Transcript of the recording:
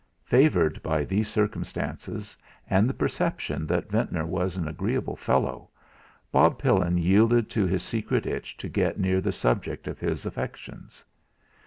Favoured by these circumstances, and the perception that Ventnor was an agreeable fellow, Bob Pillin yielded to his secret itch to get near the subject of his affections.